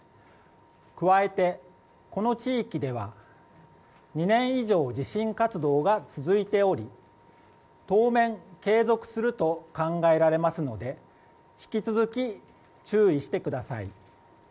加えて、この地域では２年以上、地震活動が続いており当面継続すると考えられますので引き続き注意してください。